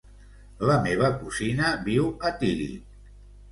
La meva cosina viu a Tírig.